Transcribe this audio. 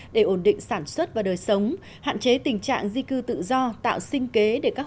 để ổn định sản xuất và đời sống hạn chế tình trạng di cư tự do tạo sinh kế